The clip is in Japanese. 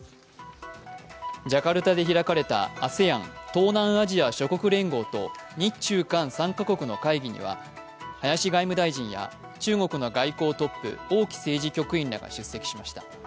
ジャカルタで開かれたＡＳＥＡＮ＝東南アジア諸国連合と日中韓３か国の会議には林外務大臣や中国の外交トップ・王毅政治局員らが出席しました。